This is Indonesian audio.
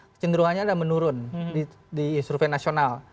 kecenderungannya ada menurun di survei nasional